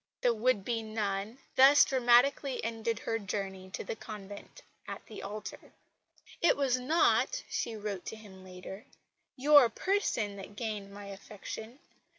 The would be nun thus dramatically ended her journey to the convent at the altar. "It was not," she wrote to him later, "your person that gained my affection.